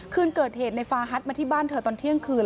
คืนเกิดเหตุในฟาฮัทมาที่บ้านเธอตอนเที่ยงคืน